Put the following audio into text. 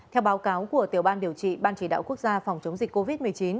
theo báo cáo của tiểu ban điều trị ban chỉ đạo quốc gia phòng chống dịch covid một mươi chín